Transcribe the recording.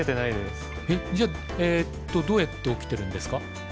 えっじゃあえっとどうやって起きてるんですか？